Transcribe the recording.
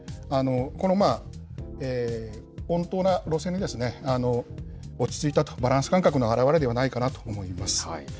この穏当な路線に落ち着いたと、バランス感覚の表れではないかなと思います。